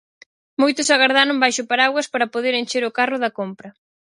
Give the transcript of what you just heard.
Moitos agardaron baixo o paraugas para poder encher o carro da compra.